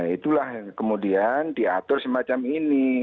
itulah yang kemudian diatur semacam ini